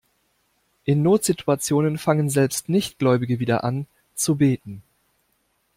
In Notsituationen fangen selbst Nichtgläubige wieder an, zu beten.